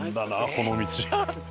この道。